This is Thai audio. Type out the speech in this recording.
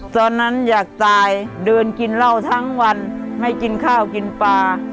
ตอนนั้นอยากตายเดินกินเหล้าทั้งวันไม่กินข้าวกินปลา